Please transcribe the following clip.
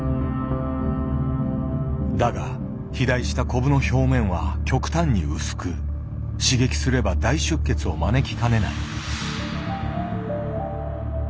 だが肥大したコブの表面は極端に薄く刺激すれば大出血を招きかねない。